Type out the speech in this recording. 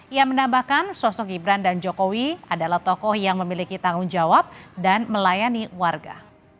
ia menambahkan sosok gibran dan jokowi adalah tokoh yang memiliki tanggung jawab dan melayani warga